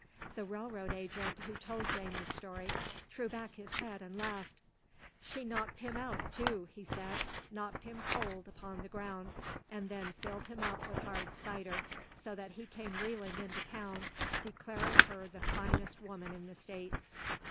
The railroad agent, who told Jane the story, threw back his head and laughed. "She knocked him out, too," he said, "knocked him cold upon the ground and then filled him up with hard cider so that he came reeling into town declaring her the finest woman in the state."